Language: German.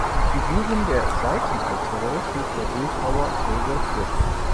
Die Figuren der Seitenaltäre schuf der Bildhauer Gregor Fritz.